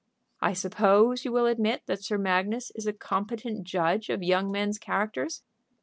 "I suppose you will admit that Sir Magnus is a competent judge of young men's characters?"